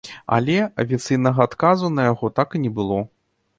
Але, афіцыйнага адказу на яго так і не было.